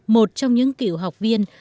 một trong những cựu kỳ học viên